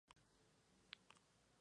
Su álbum debut fue Moon In The Scorpio.